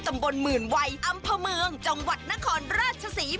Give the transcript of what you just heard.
ตำบลหมื่นวัยอำเภอเมืองจังหวัดนครราชศรี